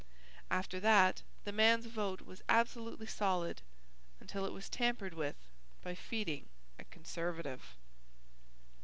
After that the man's vote was absolutely solid until it was tampered with by feeding a Conservative.